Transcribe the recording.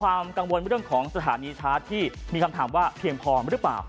ความกังวลเรื่องของสถานีชาร์จที่มีคำถามว่าเพียงพอหรือเปล่า